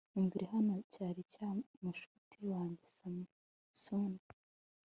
umvire hano cyari icya mushuti wanjye samson